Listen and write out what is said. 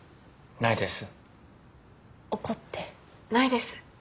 ないです。